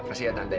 persia tante ya